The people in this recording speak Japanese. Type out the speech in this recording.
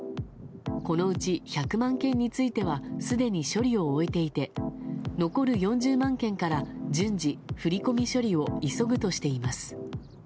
このうち１００万件についてはすでに処理を終えていて残る４０万件から順次振り込み処理を急ぐとしています。